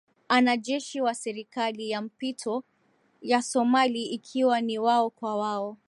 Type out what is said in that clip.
anajeshi wa serikali ya mpito ya somali ikiwa ni wao kwa wao